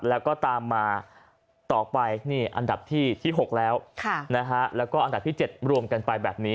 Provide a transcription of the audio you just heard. แล้วก็ตามมาต่อไปนี่อันดับที่๖แล้วแล้วก็อันดับที่๗รวมกันไปแบบนี้